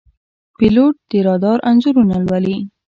پیلوټ د رادار انځورونه لولي.